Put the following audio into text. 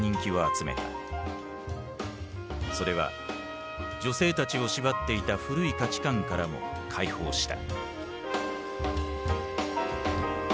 それは女性たちを縛っていた古い価値観からも解放した。